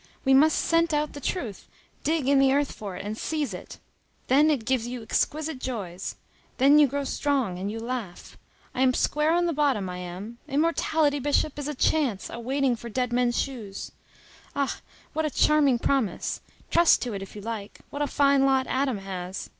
We must scent out the truth; dig in the earth for it, and seize it. Then it gives you exquisite joys. Then you grow strong, and you laugh. I am square on the bottom, I am. Immortality, Bishop, is a chance, a waiting for dead men's shoes. Ah! what a charming promise! trust to it, if you like! What a fine lot Adam has!